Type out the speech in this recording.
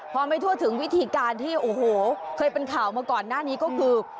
พอไม่ทั่วถึงวิธีการที่โอ้โหเคยเป็นข่าวมาก่อนหน้านี้ก็คือ